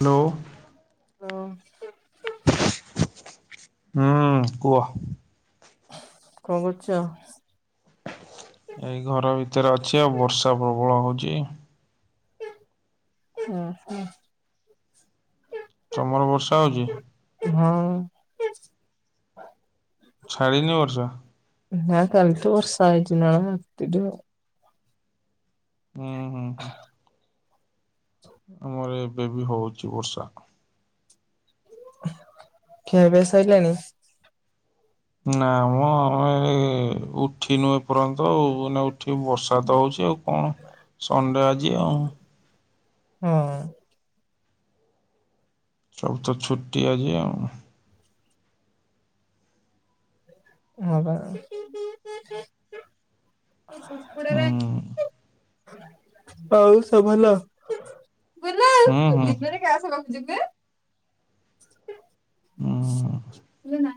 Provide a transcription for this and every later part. Hello. Hello. ହୁଁ କୁଅ। କଣ କରୁଚ? ଏଇ ଘର ଭିତରେ ଅଛି ଆଉ ବର୍ଷା ପ୍ରବଳ ହଉଚି। ଉଁ ହୁଁ। ତମର ବର୍ଷା ହୋଉଚି? ହଁ। ଛାଡ଼ିନି ବର୍ଷା? ନାଁ କଲିଠୁ ବର୍ଷା ହେଇଚି ନାଁ ରାତିରୁ ଆଉ। ଉଁ ହୁଁ। ଆମର ଏବେ ବି ହୋଉଛି ବର୍ଷା। ଖିଆ ପିଆ ସଇଲାଣି? ନାଁ ମଁ ଆମେ ଏଇ ଉଠିନୁ ଏପର୍ଯ୍ୟନ୍ତ ଆଉ ଏ ନା ଠି ବର୍ଷା ତ ହୋଉଛି ଆଉ କଣ ସଣ୍ଡେ ଆଜି ଆଉ। ହଁ। ସବୁତ ଛୁଟି ଆଜି ଆଉ। ହଁ ପା। ହୁଁ। ଆଉ ସବୁ ଭଲ? ବୁଲ ଆଉ ହୁଁ ହୁଁ ହୁଁ ଦିନରେ କ୍ଲାସ ରଖୁଛୁ ନା? ଇଲୋ ନା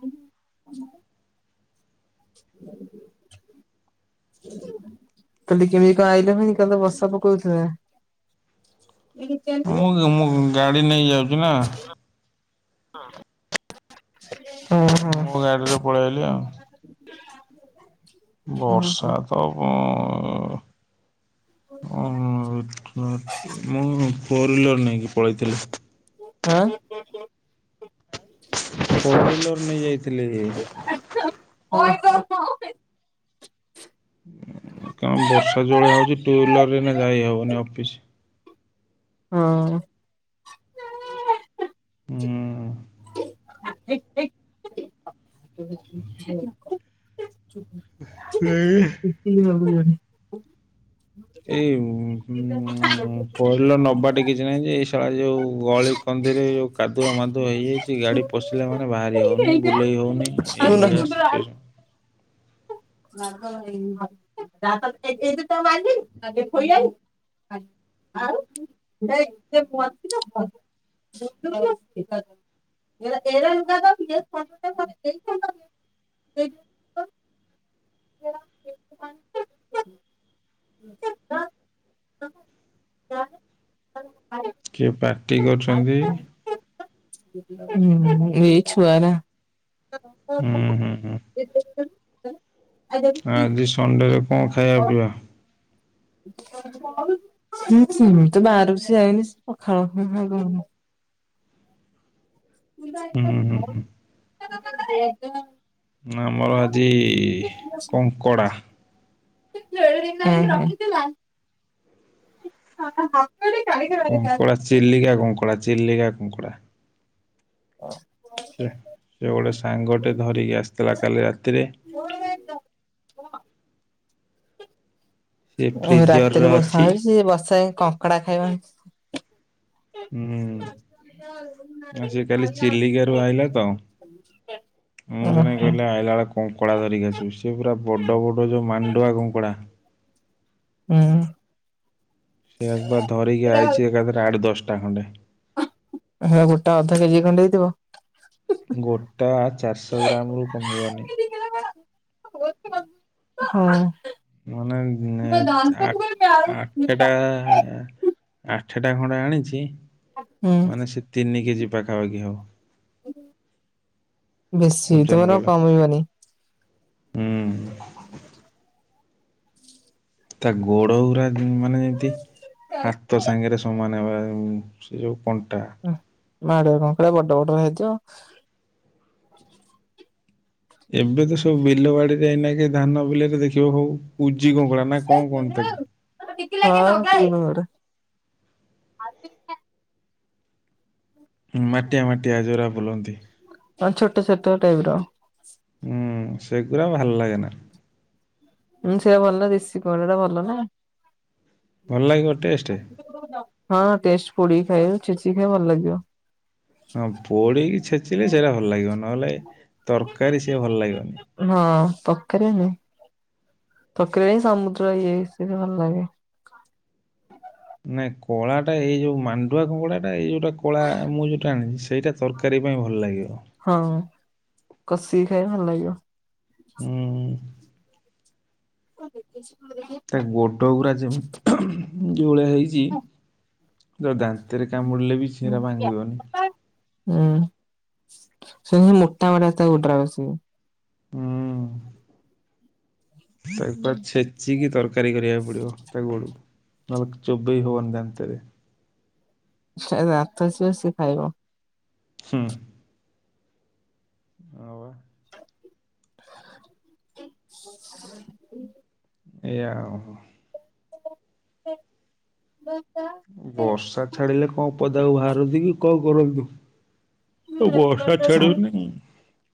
କାଲି କେମିତି କଣ ଆଇଲ ଭାଇ କାଲି ତ ବର୍ଷା ପକଉଥିଲା? [inaudible] ମୁଁ ମୁଁ ଗାଡ଼ି ନେଇ ଯାଉଚି। କି ନା। ଉଁ ହୁଁ। ମୋ ଗାଡିରେ ପଳେଇ ଆଇଲି ଆଉ ବର୍ଷା ହଁ ତ ମ୍ ଓ ମୁଁ ଫୋର ଉଇଲର ନେଇକି ପଳେଇଥିଲି। କାଁ ଫୋର୍ ଉଇଲର ନେଇ ଯାଇଥିଲେ। ଓଏ ତ କଣ ବର୍ଷା ଯୋଳିଆ ହଉଛି ଟୁ ଇଲର ରେ ଏନା ଯାଇ ହବନି ଅଫିସ। ହଁ। ହୁଁ। ଏଇ ଏଇ [unintelligible] [inaudible] ଭାବିବଣିି। ଏ ଉଁ ଉଁ ପହିଲ ନବାଟା କିଛି ନାଇଁ ଯେ ଏଇ ଶଳା ଯୋଉ ଗଳି କନ୍ଦିରେ ଯୋଉ କାଦୁଅ ମାଧୁଅ ହେଇଆଇଛି ଗାଡି ପଶିଲା ମାନେ ବାହାରି ହେଉନି ବୁଲେଇ ହେଉନି ଏଇଭଳିଆ ସିଚୁଏସନ୍। [inaudible] ଖୋଇଆଇ ଆଉ [inaudible] [inaudible] [inaudible] [inaudible] କିଏ ପାଟି କରୁଚନ୍ତି? ହୁଁ ଏଇ ଛୁଆ ଭା ହୁଁ ହୁଁ ହୁଁ। [unintelligible] ଆଜି ସଣ୍ଡେରେ କଣ ଖାଇବା ପିଇବା? [unintelligible] ହୁଁ ହୁଁ ହୁଁ ଆମର ଆଜି କଙ୍କଡ଼ା। [unintelligible] ରଖିଥିଲା [unintelligible] କଙ୍କଡ଼ା ଚିଲିିକା କଙ୍କଡ଼ା ଚିଲିକା କଙ୍କଡ଼ା। [unintelligible] ସେ ଗୋଟେ ସାଙ୍ଗଟେ ଧରିକି ଆସିଥିଲା କାଲି ରାତିରେ। ସେ ଫ୍ରିଜରରେ ରାତିରେ ବର୍ଷା ଅଛି। ହଉଛି ବର୍ଷା ରେ କଙ୍କଡା ଖାଇବା ହୁଁ ଆଜି କାଲି ଚିଲିକା ରୁ ଆଇଲା ତ। ମୁଁ ଓହୋ ସେନା କହିଲେ ହୁଁ ଆଇଲା ବେଳେ କଙ୍କଡ଼ା ଧରିକି ଆସିବୁ ସିଏ ପୁରା ବଡ଼ ବଡ଼ ଯୋଉ ମାଣ୍ଡୁଆ କଙ୍କଡ଼ା। ହୁଁ ସିଏ ଏକବାର ଧରିକି ଆଇଛି ଏକାଥରେ ଆଠ ଦଶଟା ଖଣ୍ଡେ। ସେ ଆ ଗୋଟା ଅଧ କେଜି ଖଣ୍ଡେ ହେଇଥିବ। ଗୋଟା ଚାରିଶହ ଗ୍ରାମ ରୁ କମିବନି। [unintelligible] ମାନେ ଆ ଆଠେଟା ଆଠେଟା ଖଣ୍ଡେ ଆଣିଛି ହୁଁ ମାନେ ସେ ତିନିକେଜି ପାଖାପାଖି ହବ। ବେଶୀ ଓଜନ ହେଇଥିବ ନା କଲେ। କମବନି। ହୁଁ ତା ଗୋଡ଼ ଗୁଡ଼ା ମାନେ ଯେମିତି ହା ତୋ ସାଙ୍ଗରେ ସମାନ ହେବା ଉଁ ସେ ଯୋଉ କଣ୍ଟା। ମାଢୁଆ କଙ୍କଡା ବଡ ବଡ ହେଇଥିବ। ଏବେ ତ ସବୁ ବିଲବାଡିରେ ଏଇନାକେ ଧାନ ବିଲରେ ଦେଖିବ ହଉ କୁଜି କଙ୍କଡା। ନା କଣ କହନ୍ତି ତାକୁ? [unintelligible] [unintelligible] ମାଟିଆ ମାଟିଆ ଯୋଉରା ବୁଲନ୍ତି। ହଁ ଛୋଟ ଛୋଟ ଟାଇପର। ହୁଁ ସେଗୁରା ଭଲ ଲାଗେନା। ହୁଁ ସେରା ଭଲ ଦେଶୀ କଙ୍କଡା ଟା ଭଲ ଭଲ ଲାଗିବ ଟେଷ୍ଟ ନା। ହଁ ଟେଷ୍ଟ ପୋଡିକି ଖାଇବ ଛେଚିକି ଖାଇବ ଭଲ ଲାଗିବ। ହଁ ପୋଡିକି ଛେଚିଲେ ସେଇରା ଭଲ ଲାଗିବ ନହେଲେ ତରକାରୀ ସିଏ ଭଲ ଲାଗିବନି। ହଁ ତରକାରୀ ନାଇଁ ତରକାରୀ ହିଁ ସମୁଦ୍ର ଇଏ ସେ ଭଲ ଲାଗେ। ନାଇଁ କଳାଟା ଏଇ ଯୋଉ ମାଣ୍ଡୁଆ କଙ୍ଗଡା ଟା ଏଇ ଯୋଉଟା କଳା ମୁଁ ଯୋଉଟା ଆଣିଛି ସେଇଟା ତରକାରୀ ପାଇଁ ଭଲ ଲାଗିବ। ହଁ କଷିକି ଖାଇବ ଭଲ ଲାଗିବ। ଉଁ ହୁଁ। [unintelligible] ତା ଗୋଡ଼ ଗୁଡ଼ା ଯେମ ଉହୁଁ ଯୋଉଭଳିଆ ହେଇଛି ତ ଦାନ୍ତରେ କାମୁଡିଲେ ବି ସେରା ଭାଙ୍ଗିବନି। ହୁଁ ସେ ସେଗୁରା ମୋଟା ମୋଟା ତା ଗୋଡରା କଷିକି। ହୁଁ। ତାକୁ ପୁରା ଛେଚିକି ତରକାରୀ କରିବାକୁ ପଡିବ ତା ଗୋଡକୁ। ନହେଲେ ଚୋବେଇ ହବନି ଦାନ୍ତରେ। ଯାର ଦାନ୍ତ ଥିବ ସେ ଖାଇବ। ହୁଁ। ହଁ ପା। [inaudible] ଏୟା ଆଉ। ବର୍ଷା ଛାଡିଲେ କଣ ପଦାକୁ ବାହାରନ୍ତିକି କଣ କରନ୍ତୁ। ଆଉ ବର୍ଷା ଛାଡିବନି ଉଁ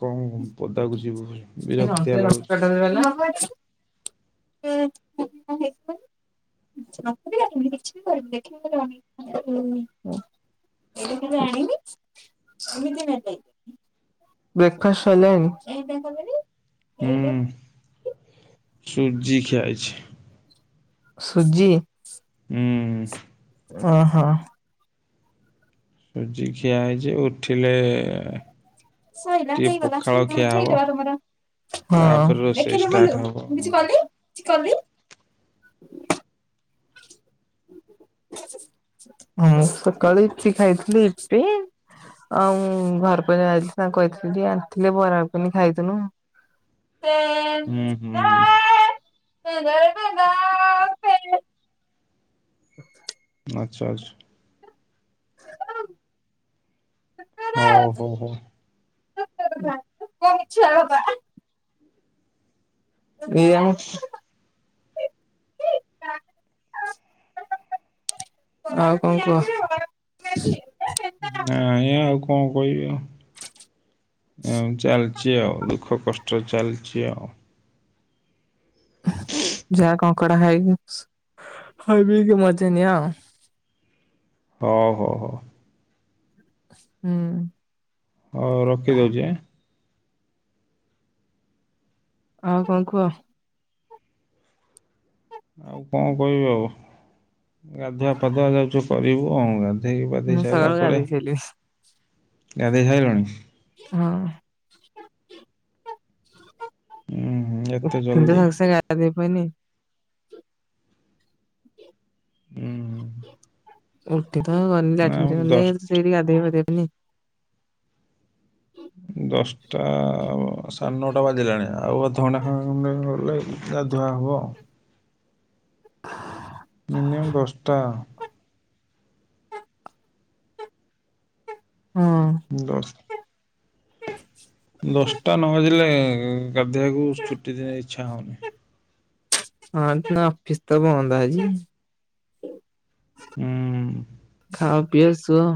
କଣ ପଦାକୁ ଯିବୁ ବିରକ୍ତିଆ ଲାଗୁଛି [unintelligible] [unintelligible] [unintelligible] ବ୍ରେକଫାଷ୍ଟ ସଇଲାଣି? ହୁଁ। ସୁଜି ଖିଆହେଇଛି। ସୁଜି? ହୁଁ। ଅହଃ! ସୁଜି ଖିଆ ହେଇଚି ଉଠିଲେ ସଇଲା ଟିକେ ପଖାଳ ହେଇଗଲାତମେ ଖିଆ ହବ ଖାଇଦେବା ତୁମର। ହଁ ତାପରେ ରୋଷେଇ ଦେଖିଲୁ ଷ୍ଟାର୍ଟ ଗୁଲୁ ମୁଁ ହବ। କିଛି କଲି କିଛି କଲି? [inaudible] ହଁ ସକାଳେ ୟିପି ଖାଇଥିଲି ୟିପି। ଆଉ ମୁଁ ଘରକୁ ଯାଇଥିଲି ତାଙ୍କୁ କଇଥିଲି ଟିକେ ଆଣିଥିଲେ ବରା ଗୁଗୁନୀ ଖାଇଥିନୁ। ହୁଁ ହୁଁ ହୁଁ [unintelligible] [unintelligible] ହୋଉ ହୋଉ ହୋଉ। [unintelligible] [unintelligible] ଆଉ କଣ କୁହ? ନାହିଁ ଆଉ କଣ କହିବି ଆଉ? ଏମିତି ଚାଲିଚି ଆଉ ଦୁଃଖ କଷ୍ଟରେ ଚାଲିଚି ଆଉ। ଯା କଙ୍କଡା ଖାଇକି ଖାଇ ପିଇକି ମଜା ନିଅ ଆଉ। ହୋଉ ହୋଉ ହୋଉ। ହୁଁ। ହୋଉ ରଖିଦୋଉଚି ଆଁ। ଆଉକଣ କୁହ? ଆଉ କଣ କହିବି ଆଉ ଗାଧୁଆ ଫାଧୁଆ ଯାଉଚୁ କରିବୁ। [unintelligible] ଗାଧେଇ ପାଧେଇ ମୁଁ ସକାଳୁ ସାଇଲା ପରେ ଗାଧେଇ ସାଇଲିଣି ଗାଧେଇ ସାଇଲଣି? ହଁ। ଉଁ ହୁଁ [unintelligible] ଏତେ ଜଲ୍ଦି ଗାଧେଇ ପଇଲି। ହୁଁ। ଉଠିତ ଗନି ନା ଲାଟିନ୍ ଗନି ଦଶ ସେଇଠି ଗାଧେଇ ପାଧେଇ ପଇଲି। ଦଶଟା ସାଢେ ନଅଟା ବାଜିଲାଣି ଆଉ ଅଧଘଣ୍ଟା ଖଣ୍ଡେ ଗଲାଇକି ଗାଧୁଆ ହବ। ହାଁ। ମିନିମମ୍ ଦଶ୍ ଟା। ହଁ। ଦଶ୍ ଦଶ୍ ଟା ନ ବାଜିଲେ ଗାଧେଇଆକୁ ଛୁଟି ଦିନେ ଇଚ୍ଛା ହଉନି। ହଁ ତ ଅଫିସ ତ ବନ୍ଦ ଆଜି। ହୁଁ ଖାଅ ପିଅ ଶୁଅ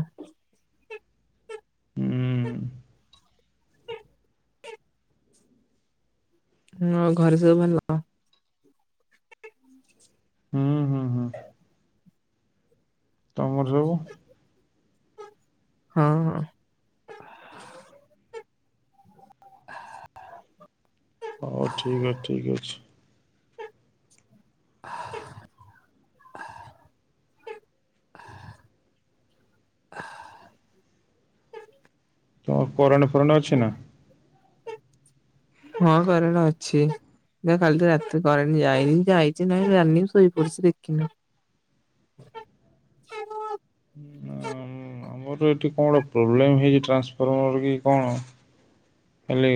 ହୁଁ ନୂଆ ଘରେ ସବୁ ଭଲ? ହୁଁ ହୁଁ ହୁଁ ତମର ସବୁ? ହଁ ହଁ। ହ [inaudible] ହଉ ଠିକ୍ ଅଛି ଠିକ୍ ଅଛି। [inaudible] [inaudible] ତମ କରେଣ୍ଟେ ଫରେଣ୍ଟେ ଅଛି ନା? ହଁ କରେଣ୍ଟେ ଅଛି। [unintelligible] କାଲି ତ ରାତିରୁ କରେଣ୍ଟ୍ ଯାଇନି ଯାଇଚି ନାଇଁ ଜାଣନି ଶୋଇ ପଡଚି ଦେଖିନି। ଆମର ଏଠି କଣ ଗୋଟେ ପ୍ରୋବଲେମ୍ ହେଇଚି ଏ ଟ୍ରାନ୍ସଫର୍ମର କି କଣ? କାଲି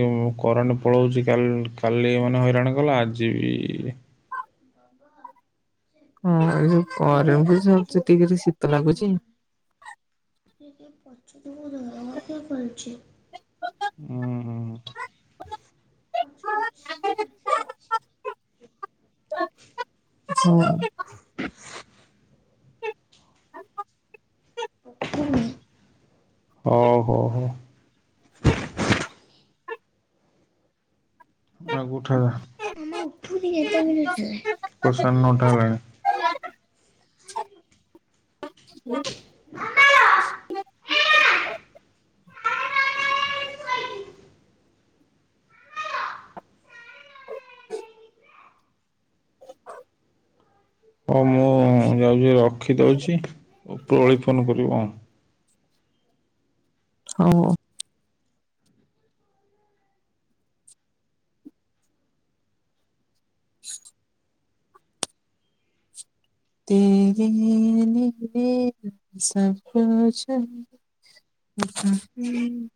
କରେଣ୍ଟ ପଳଉଚି କାଲି କାଲି ମାନେ ହଇରାଣ କଲା। ଆଜି ବି ହଁ ଏ ଯୋଉ କରରେ [unintelligible] ସେ ଟିକେ ଟିକେ ଶୀତ ଲାଗୁଚି। [unintelligible] ଉଁ ହୁଁ। ଆଚ୍ଛା। [unintelligible] ଅ ହଉ ହଉ। ମାକୁ ଉଠାଅଯା। ମାମା ଉଠୁନି [unintelligible] ତ ସାଢ୍ ନଅଟା ହେଲାଣି [unintelligible] ମାମା ହଁ ମୁଁ ଯାଉଚି ରଖି ଦଉଛି ଉପର ଓଳି ଫୋନ୍ କରିବୁ ହଁ। ହଉ। ତିରିଂନିନି [unintelligible]